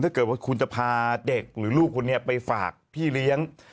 ถ้าเกิดว่าคุณจะพาเด็กหรือลูกคนนี้ไปฝากพี่เลี้ยง